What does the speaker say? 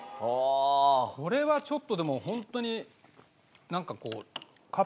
これはちょっとでもホントになんかこう。